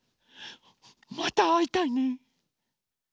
またあいたいね。